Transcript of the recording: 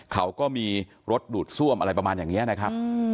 เขาก็มีรถดูดซ่วมอะไรประมาณอย่างนี้นะครับ